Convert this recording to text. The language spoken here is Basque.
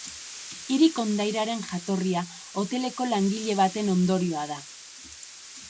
Hiri kondairaren jatorria hoteleko langile baten ondorioa da.